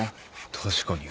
確かに。